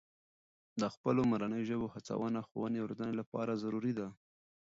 د خپلو مورنۍ ژبو هڅونه د ښوونې او روزنې لپاره ضروري ده.